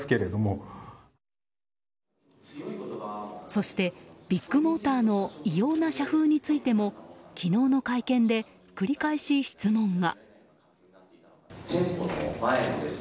そして、ビッグモーターの異様な社風についても昨日の会見で繰り返し質問が。